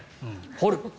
掘る。